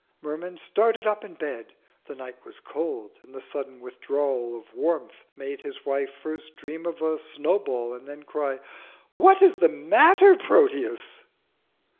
Merman started up in bed. The night was cold, and the sudden withdrawal of warmth made his wife first dream of a snowball, and then cry "What is the matter, Proteus?"